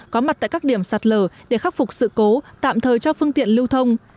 có mặt tại các điểm sạt lở để khắc phục sự cố tạm thời cho phương tiện lưu thông